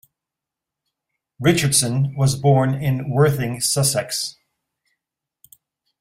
Richardson was born in Worthing, Sussex.